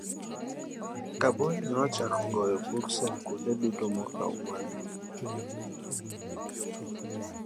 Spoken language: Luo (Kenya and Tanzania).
Kabonyi nochako goyo peksen kuonde duto mag duka kendo kawo mwandu.